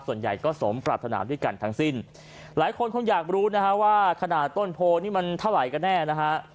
ส่วนใหญ่ก็สมปรัฐนาด้วยกันทั้งสิ้นหลายคนคงอยากรู้นะฮะว่าขนาดต้นโพนี่มันเท่าไหร่กันแน่นะฮะ